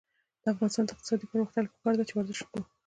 د افغانستان د اقتصادي پرمختګ لپاره پکار ده چې ورزش وکړو.